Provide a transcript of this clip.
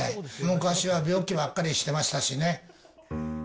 昔は病気ばっかりしてましたしね。